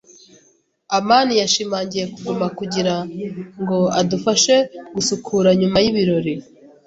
amani yashimangiye kuguma kugira ngo adufashe gusukura nyuma y’ibirori.